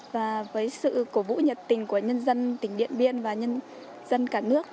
và với sự cổ vũ nhiệt tình của nhân dân tỉnh điện biên và nhân dân cả nước